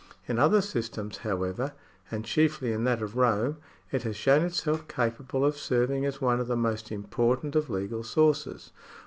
In other systems, however, and chiefly in that of Rome, it has shown itself capable of serving as one of the most important of legal sources.